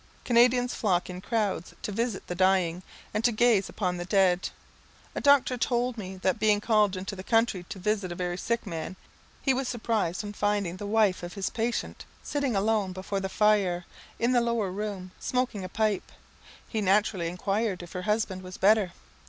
Canadians flock in crowds to visit the dying, and to gaze upon the dead. A doctor told me that being called into the country to visit a very sick man, he was surprised on finding the wife of his patient sitting alone before the fire ill the lower room, smoking a pipe. He naturally inquired if her husband was better?